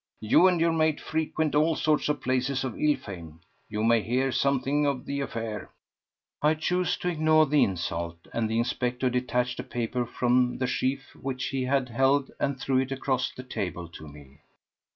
You and your mate frequent all sorts of places of ill fame; you may hear something of the affair." I chose to ignore the insult, and the inspector detached a paper from the sheaf which he held and threw it across the table to me.